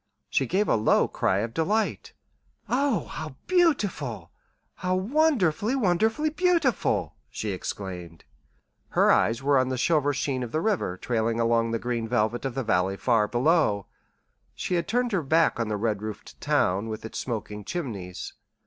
She gave a low cry of delight. "Oh, how beautiful how wonderfully, wonderfully beautiful!" she exclaimed. Her eyes were on the silver sheen of the river trailing along the green velvet of the valley far below she had turned her back on the red roofed town with its smoking chimneys.